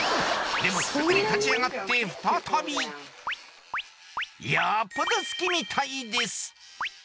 でもすぐに立ち上がって再びよっぽど好きみたいです